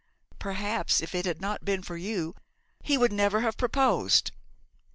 'Perhaps if it had not been for you he would have never proposed.'